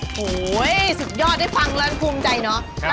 โอ้โหสุดยอดได้ฟังแล้วภูมิใจเนอะ